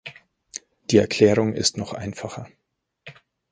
Die Erklärung ist noch einfacher.